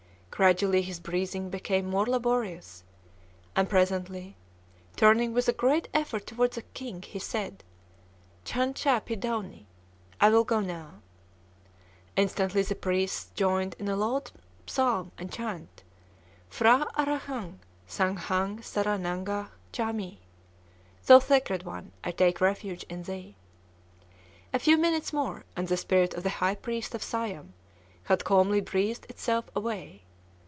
Gradually his breathing became more laborious; and presently, turning with a great effort toward the king, he said, Chan cha pi dauni! "I will go now!" Instantly the priests joined in a loud psalm and chant, "P'hra Arahang sâng Khâng sârâ nang gâch' châ mi!" (Thou Sacred One, I take refuge in thee.) A few minutes more, and the spirit of the High Priest of Siam had calmly breathed itself away.